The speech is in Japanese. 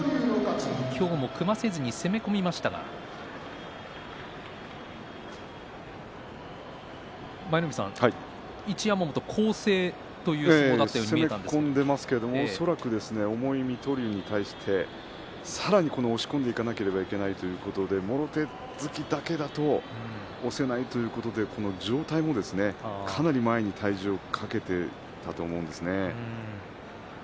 今日も組ませずに攻め込みましたが舞の海さん、一山本、攻勢というふうに恐らく重い水戸龍に対してさらに押し込んでいかなくちゃいけないということでもろ手突きだけだと押せないということで上体もかなり前に体重をかけていたと思います。